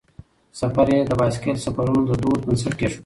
سفر یې د بایسکل سفرونو د دود بنسټ کیښود.